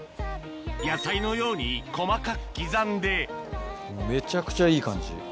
野菜のように細かく刻んでめちゃくちゃいい感じ。